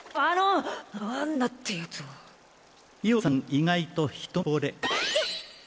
意外と一目ぼれ。